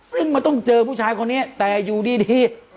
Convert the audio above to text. ซึ่งมันต้องเจอผู้ชายคนนี้แต่อยู่ดี